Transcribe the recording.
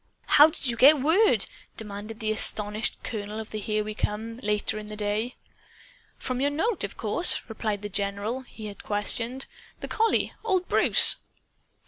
"How did you get word?" demanded the astonished colonel of the Here We Comes, later in the day. "From your note, of course," replied the general he had questioned. "The collie old Bruce."